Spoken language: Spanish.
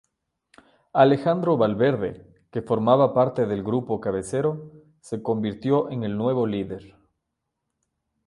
Alejandro Valverde, que formaba parte del grupo cabecero, se convirtió en el nuevo líder.